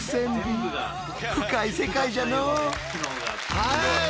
はい！